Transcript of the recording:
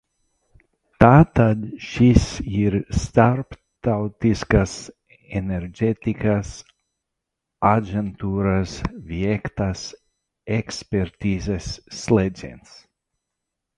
Tātad šis ir Starptautiskās enerģētikas aģentūras veiktās ekspertīzes slēdziens.